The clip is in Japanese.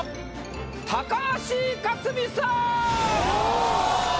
高橋克実さん！